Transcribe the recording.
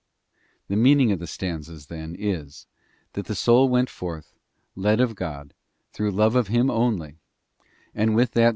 The meaning of the stanza then is, that the soul went Explanation' forth, led of God, through love of Him only, and with that stanza.